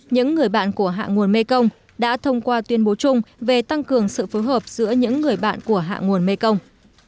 những người bạn của hạ nguồn mekong đã thông qua tuyên bố chung về tăng cường sự phối hợp giữa những người bạn của hạ nguồn mekong